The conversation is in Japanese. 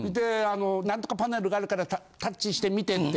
何とかパネルがあるからタッチしてみてって。